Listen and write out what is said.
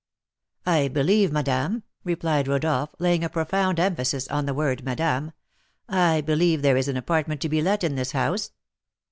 "I believe, madame," replied Rodolph, laying a profound emphasis on the word madame, "I believe there is an apartment to be let in this house?"